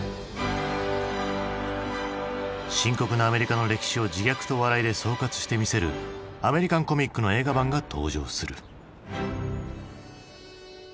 深刻なアメリカの歴史を自虐と笑いで総括してみせるアメリカンコミックの映画版が登場する。